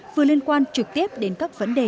vừa liên quan trực tiếp đến các vấn đề